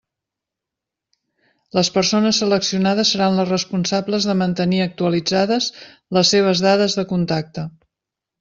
Les persones seleccionades seran les responsables de mantenir actualitzades les seves dades de contacte.